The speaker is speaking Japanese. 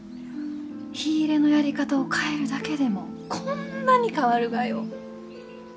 火入れのやり方を変えるだけでもこんなに変わるがよ。